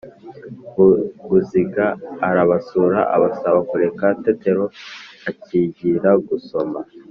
Vuguziga arabasura, abasaba kureka Tetero akigira gusoma.